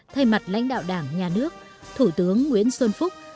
thay mặt lãnh đạo đảng nhà nước thủ tướng nguyễn xuân phúc